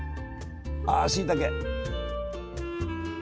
あしいたけ！